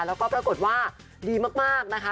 แล้วก็ปรากฏว่าดีมากนะคะ